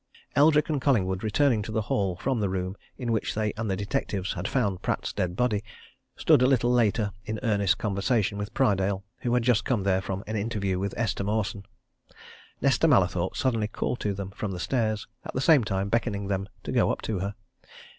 Eldrick and Collingwood, returning to the hall from the room in which they and the detectives had found Pratt's dead body, stood a little later in earnest conversation with Prydale, who had just come there from an interview with Esther Mawson. Nesta Mallathorpe suddenly called to them from the stairs, at the same time beckoning them to go up to her.